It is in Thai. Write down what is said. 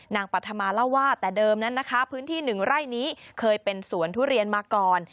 ปัธมาเล่าว่าแต่เดิมนั้นนะคะพื้นที่หนึ่งไร่นี้เคยเป็นสวนทุเรียนมาก่อน